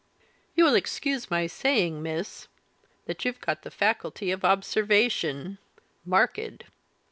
You will excuse my saying, miss, that you've got the faculty of observation marked.